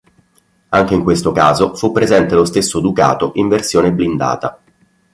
Anche in questo caso fu presente lo stesso Ducato in versione blindata.